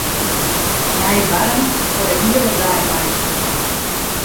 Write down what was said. Nij barren foar de hiele dei meitsje.